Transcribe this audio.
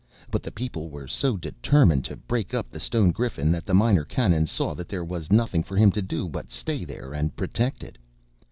But the people were so determined to break up the stone griffin that the Minor Canon saw that there was nothing for him to do but to stay there and protect it.